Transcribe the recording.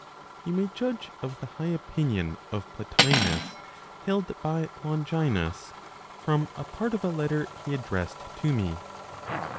You may judge of the high opinion of Plotinos held by Longinus, from a part of a letter he addressed to me.